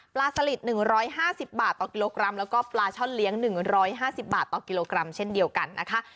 ปลาสลิดหนึ่งร้อยห้าสิบบาทต่อกิโลกรัมแล้วก็ปลาช่อนเลี้ยงหนึ่งร้อยห้าสิบบาทต่อกิโลกรัมเช่นเดียวกันนะคะ